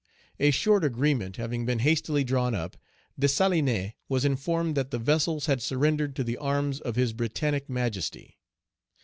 A short agreement having been hastily drawn up, Dessalines was informed that the vessels had surrendered to the arms of His Britannic Majesty.